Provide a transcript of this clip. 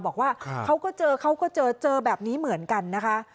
บอกว่าเขาก็เจอเขาก็เจอเจอแบบนี้เหมือนกันนะคะ